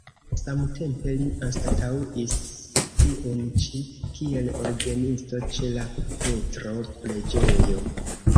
Samtempe li anstataŭis tiun ĉi kiel orgenisto ĉe la Petro-preĝejo.